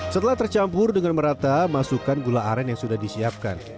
setelah tercampur dengan merata masukkan gula aren yang sudah disiapkan